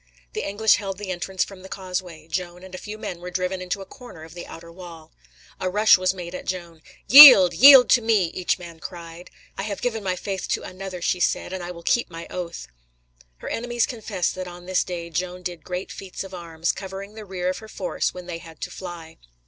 The English held the entrance from the causeway; Joan and a few men were driven into a corner of the outer wall. A rush was made at Joan. "Yield! yield to me!" each man cried. "I have given my faith to Another," she said, "and I will keep my oath." Her enemies confess that on this day Joan did great feats of arms, covering the rear of her force when they had to fly.